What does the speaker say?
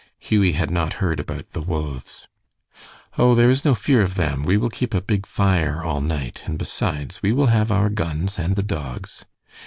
Hughie had not heard about the wolves. "Oh, there is no fear of them. We will keep a big fire all night, and besides, we will have our guns and the dogs."